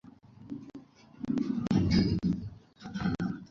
ও হচ্ছে অরুণ, টেকনিশিয়ান।